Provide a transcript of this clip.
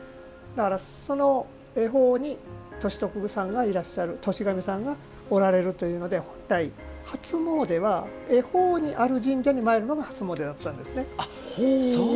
その恵方に歳徳さんがいらっしゃるということで、本来、初詣は恵方にある神社にまいるのが初詣だったんですね。